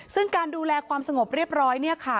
ซึ่งการดูแลความสงบเรียบร้อยเนี่ยค่ะ